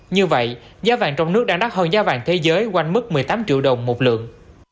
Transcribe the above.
như vậy giá vàng trong nước đang đắt hơn giá vàng thế giới quanh mức một mươi tám triệu đồng một lượng